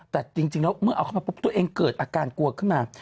แต่จริงแล้วเมื่อเอาเข้ามาปุ๊บตัวเองเกิดอาการกลัวขึ้นมา